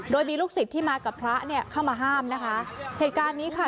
โดยมีลูกศิษย์ที่มากับพระเนี่ยเข้ามาห้ามนะคะเหตุการณ์นี้ค่ะ